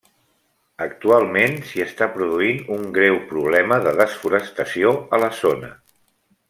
Actualment s'hi està produint un greu problema de desforestació a la zona.